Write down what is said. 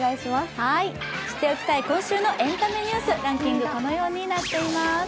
知っておきたい今週のエンタメニュース、ランキング、このようになっています。